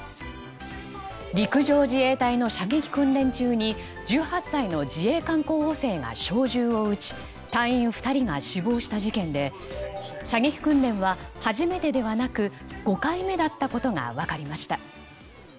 陸上自衛隊の射撃訓練中に１８歳の自衛官候補生が小銃を撃ち隊員２人が死亡した事件で射撃訓練は初めてではなく５回目だったことが分かりました。